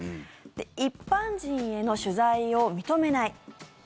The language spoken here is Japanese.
一般人への取材を認めない。